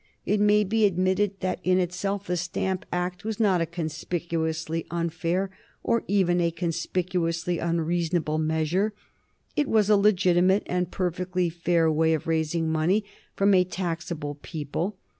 It may be admitted that in itself the Stamp Act was not a conspicuously unfair or even a conspicuously unreasonable measure. It was a legitimate and perfectly fair way of raising money from a taxable people.